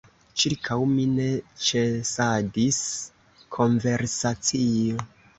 Ĉirkaŭ mi ne ĉesadis konversacio.